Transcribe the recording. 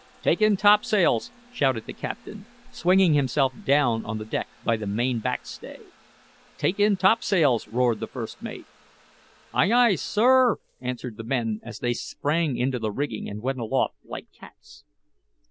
"Take in topsails!" shouted the captain, swinging himself down on the deck by the main back stay. "Take in topsails!" roared the first mate. "Ay, ay, sir r r!" answered the men as they sprang into the rigging and went aloft like cats.